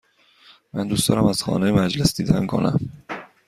من دوست دارم از خانه مجلس دیدن کنم.